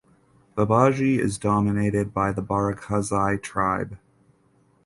Babaji is dominated by the Barakzai tribe.